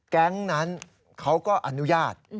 แก๊งนั้นเขาก็อนุญาต